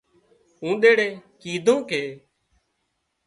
اونۮيڙي ڪيڌو ڪي